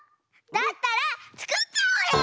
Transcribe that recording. だったらつくっちゃおうよ！